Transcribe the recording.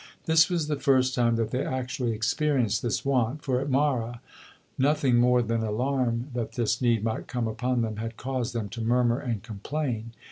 This was the first time that they actually experienced this want, for at Marah nothing more than alarm that this need might come upon them, had caused them to murmur and complain.